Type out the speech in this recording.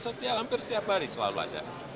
setiap hampir setiap hari selalu ada